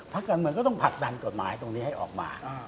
การเมืองก็ต้องผลักดันกฎหมายตรงนี้ให้ออกมา